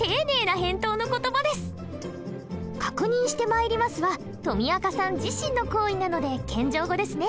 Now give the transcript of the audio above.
「確認して参ります」はとみあかさん自身の行為なので謙譲語ですね。